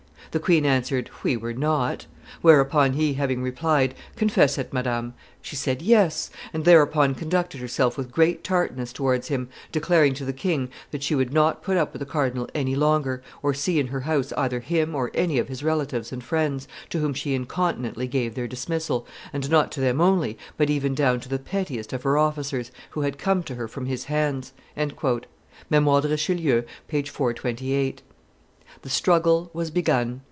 The queen answered, 'We were not.' Whereupon, he having replied, 'Confess it, madam,' she said yes, and thereupon conducted herself with great tartness towards him, declaring to the king 'that she would not put up with the cardinal any longer, or see in her house either him or any of his relatives and friends, to whom she incontinently gave their dismissal, and not to them only, but even down to the pettiest of her officers who had come to her from his hands.'" [Memoires de Richelieu, t. iii. p. 428.] The struggle was begun.